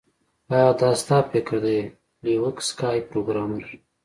ها دا ستا فکر دی لیوک سکای پروګرامر